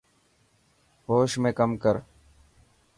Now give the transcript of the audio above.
هوش ۾ ڪم ڪر.